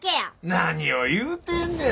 何を言うてんねん。